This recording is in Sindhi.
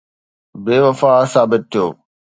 بي وفا ثابت ٿيو